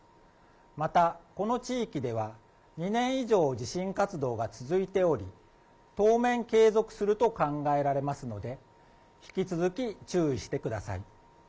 また、この地域では２年以上地震活動が続いており、当面継続すると考えられますので、引き続き注意してください。